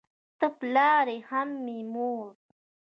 ته پلار یې هم مې مور